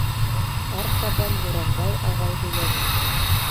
Артабан Буранбай ағай һөйләне.